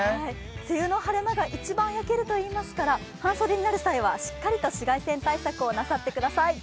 梅雨の晴れ間が一番焼けるといいますから半袖になる際はしっかりと紫外線対策なさってください。